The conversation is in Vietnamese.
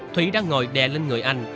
thủy đã ngồi đè lên người anh